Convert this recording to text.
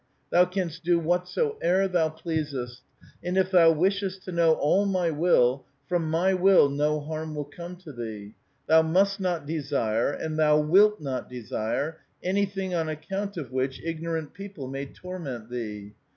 Thou canst do whatsoe'er thou pleas est ; and if thou wishest to know all my will, from my will no harm will come to thee : thou must not desire, and thou wilt not desire, anything on account of which ignorant people may torment thee.